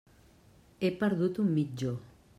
He perdut un mitjó.